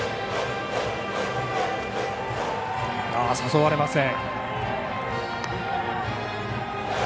誘われません。